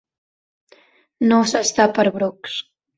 No s'està per brocs.